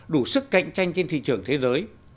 đủ sức cạnh tranh trên thị trường thế giới